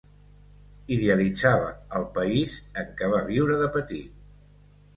Idealitzava el país en què va viure de petit.